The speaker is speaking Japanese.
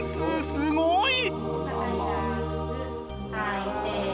すごい！